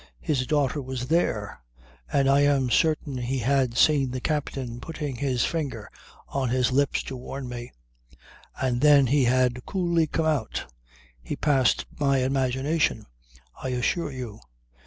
His daughter was there; and I am certain he had seen the captain putting his finger on his lips to warn me. And then he had coolly come out! He passed my imagination, I assure you.